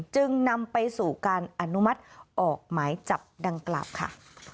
จึงนำไปสู่การอนุมัติออกหมายจับดังกล่าวค่ะ